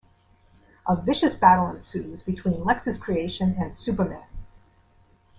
A vicious battle ensues between Lex's creation and Superman.